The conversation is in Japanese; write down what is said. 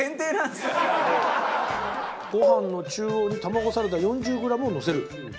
ご飯の中央にタマゴサラダ４０グラムをのせる。